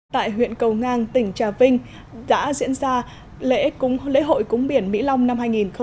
tại huyện cầu ngang tỉnh trà vinh đã diễn ra lễ hội cúng biển mỹ long năm hai nghìn một mươi chín